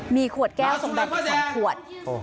มีขวดแก้วสมดัติ๒ขวด